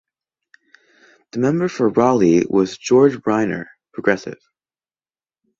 The member for Raleigh was George Briner (Progressive).